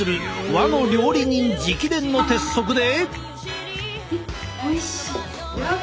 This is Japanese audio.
和の料理人直伝の鉄則で。